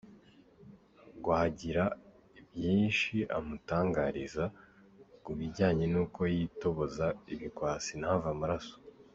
rw agira byinshi amutangariza ku bijyanye n’uko yitoboza ibikwasi ntave amaraso.